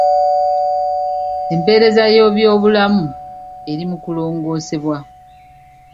Empeereza y'ebyobulamu eri mu kulongosebwa.